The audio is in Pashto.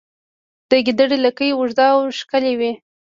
د ګیدړې لکۍ اوږده او ښکلې وي